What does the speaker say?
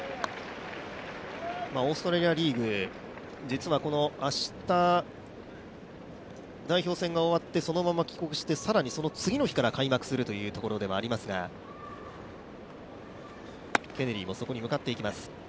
オーストラリアリーグ、実はこの明日、代表戦が終わってそのまま帰国して、更に次の日から開幕するというところではありますが、ケネリーもそこに向かっていきます。